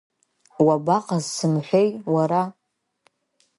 Уабаҟаз сымҳәеи, уара?